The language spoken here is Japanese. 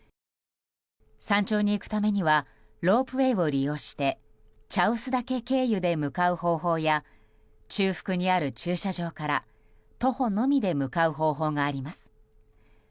山頂に行くためにはロープウェーを利用して茶臼岳経由で向かう方法や中腹にある駐車場から徒歩のみで向かう方法があります。